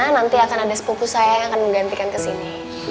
nanti akan ada sepupu saya yang akan menggantikan kesini